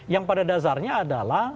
yang pada dasarnya adalah